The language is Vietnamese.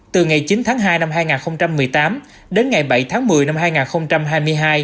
từ ngày chín tháng hai năm hai nghìn một mươi tám đến ngày bảy tháng một mươi năm hai nghìn hai mươi hai